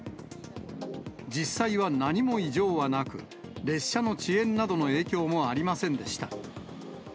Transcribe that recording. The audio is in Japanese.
実際は何も異常はなく、列車の遅延などの影響もありませんでした。